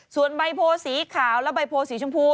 ส่วนใบโพสีขาวและใบโพสีชมพู